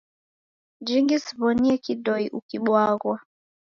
Jingi siw'onie kidoi ukibwaghwa.